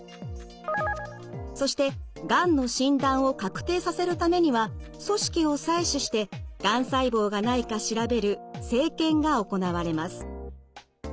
そしてがんの診断を確定させるためには組織を採取してがん細胞がないか調べる生検が行われます。